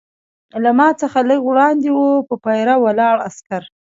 له ما څخه لږ څه وړاندې وه، پر پیره ولاړ عسکر.